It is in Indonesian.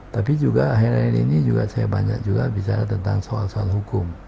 tapi juga akhir akhir ini juga saya banyak juga bicara tentang soal soal hukum